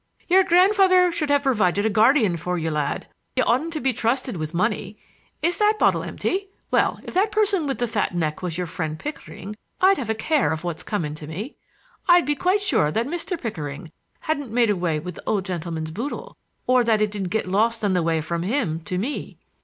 "Your grandfather should have provided a guardian for you, lad. You oughtn't to be trusted with money. Is that bottle empty? Well, if that person with the fat neck was your friend Pickering, I'd have a care of what's coming to me. I'd be quite sure that Mr. Pickering hadn't made away with the old gentleman's boodle, or that it didn't get lost on the way from him to me."